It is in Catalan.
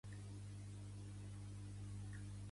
A Girona a quin carrer hi ha la Seu d'Aliança Catalana?